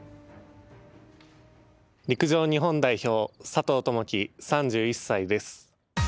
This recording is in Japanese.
陸上日本代表佐藤友祈、３１歳です。